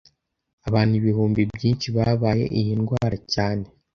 Abantu ibihumbi byinshi babaye iyi ndwara cyane